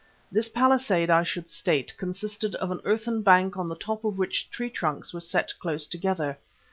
This palisade, I should state, consisted of an earthen bank on the top of which tree trunks were set close together.